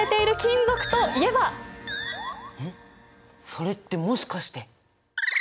それってもしかして。